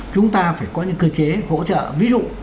chúng ta phải có những cơ chế hỗ trợ ví dụ